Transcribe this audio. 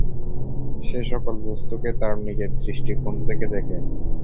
সে সকল বস্তুকে তার নিজের দৃষ্টিকোণ থেকে দেখে।